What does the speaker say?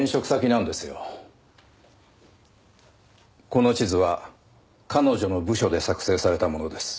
この地図は彼女の部署で作成されたものです。